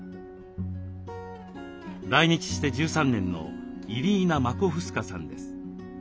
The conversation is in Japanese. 来日して１３年のイリーナ・マコフスカさんです。